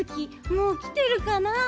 もうきてるかなあ？